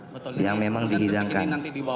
betul yang memang dihidangkan